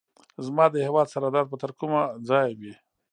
زما د هیواد سرحدات به تر کومه ځایه وي.